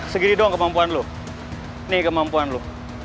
segitu dong kemampuan lu ini kemampuan lu